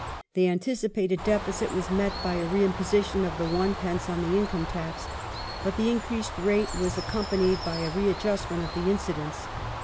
The antici pated deficit was met by a reimposition of the Id. on the income tax, but the increased rate was accompanied by a readjustment of the incidence.